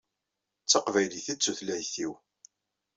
D taqbaylit i d tutlayt-iw.